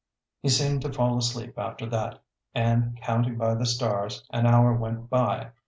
He seemed to fall asleep after that, and, counting by the stars, an hour went by.